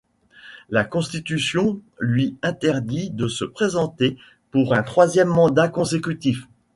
La Constitution lui interdit de se présenter pour un troisième mandat consécutif.